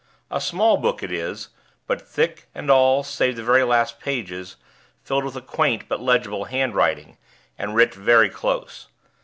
A small book it is; but thick, and all, save the last few pages, filled with a quaint but legible handwriting, and writ very close.